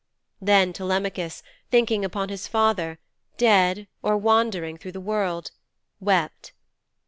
Then Telemachus, thinking upon his father, dead, or wandering through the world, wept.